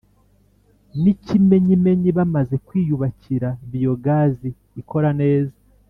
N’ikimenyimenyi bamaze kwiyubakira biyogazi ikora neza